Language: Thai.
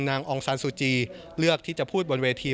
องซานซูจีเลือกที่จะพูดบนเวที